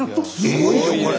すごいよこれ。